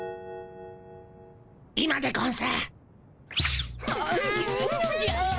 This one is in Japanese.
今でゴンス！